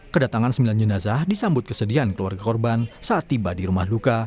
kedatangan sembilan jenazah disambut kesedihan keluarga korban saat tiba di rumah duka